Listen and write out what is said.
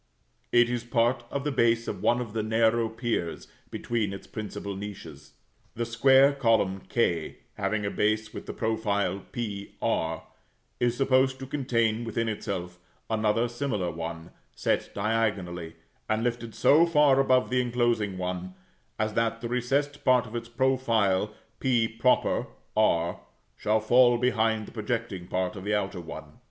It is part of the base of one of the narrow piers between its principal niches. The square column k, having a base with the profile p r, is supposed to contain within itself another similar one, set diagonally, and lifted so far above the inclosing one, as that the recessed part of its profile [=p] r shall fall behind the projecting part of the outer one.